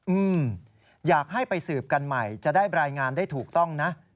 อืมอยากให้ไปสืบกันใหม่จะได้รายงานได้ถูกต้องนะ